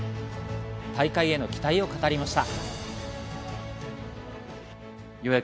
大会への期待を語りました。